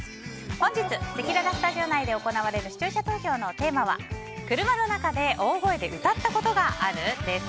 本日せきららスタジオ内で行われる視聴者投票のテーマは車の中で大声で歌ったことがある？です。